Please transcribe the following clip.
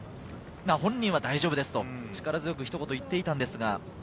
本人は大丈夫ですと力強くひと言、言っていたんですが。